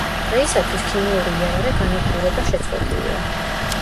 დღეისათვის ქიმიური იარაღი განადგურება შეწყვეტილია.